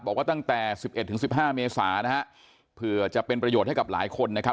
บอกว่าตั้งแต่สิบเอ็ดถึงสิบห้าเมษานะฮะเผื่อจะเป็นประโยชน์ให้กับหลายคนนะครับ